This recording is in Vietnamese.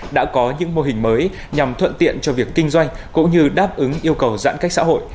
đã có những mô hình mới nhằm thuận tiện cho việc kinh doanh cũng như đáp ứng yêu cầu giãn cách xã hội